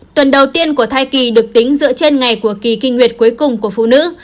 tuần đầu tiên của thai kỳ được tính dựa trên ngày của kỳ kinh nguyệt cuối cùng của phụ nữ